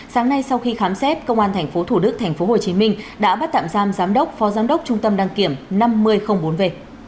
sáng nay sau khi khám xét công an tp thủ đức tp hcm đã bắt tạm giam giám đốc phó giám đốc trung tâm đăng kiểm năm mươi bốn v